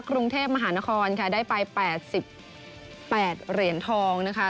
กรุงเทพมหานครค่ะได้ไป๘๘เหรียญทองนะคะ